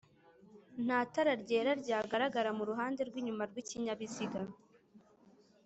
nta tara ryera ryagaragara mu ruhande rw'inyuma rw'ikinyabiziga